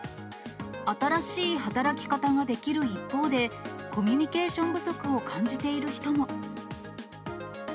新しい働き方ができる一方で、コミュニケーション不足を感じている人も。